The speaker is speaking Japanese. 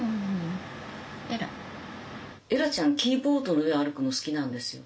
エラちゃんキーボードの上歩くの好きなんですよ。